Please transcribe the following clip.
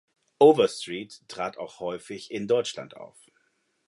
Overstreet trat auch häufig in Deutschland auf.